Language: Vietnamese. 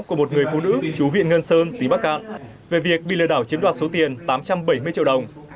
của một người phụ nữ chú viện ngân sơn tỉ bắc cạn về việc bị lừa đảo chiếm đoạt số tiền tám trăm bảy mươi triệu đồng